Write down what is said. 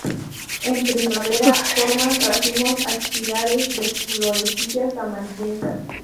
En primavera forma racimos axilares de florecillas amarillentas.